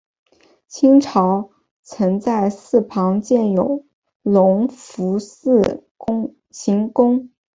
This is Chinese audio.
清朝曾在寺旁建有隆福寺行宫。